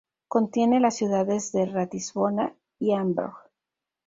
Contiene las ciudades de Ratisbona y Amberg.